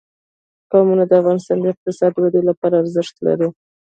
قومونه د افغانستان د اقتصادي ودې لپاره ارزښت لري.